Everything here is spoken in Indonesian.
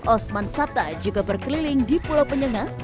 osman sabda juga berkeliling di pulau penyengah